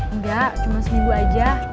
enggak cuma seminggu aja